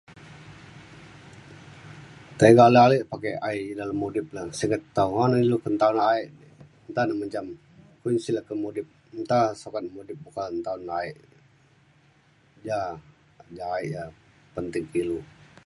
tega alik alik pakai AI dalem udip le sengket tau, ayen na ilu taun AI nta ne mencam kumin sik le ke mudip nta sokat mudip oka taun AI. ja je AI ja penting ke ilu.